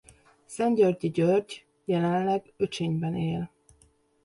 Szentgyörgyi György jelenleg Őcsényben él.